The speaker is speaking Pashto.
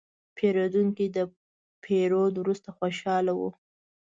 پیرودونکی د پیرود وروسته خوشاله و.